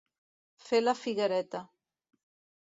Fer la figuereta.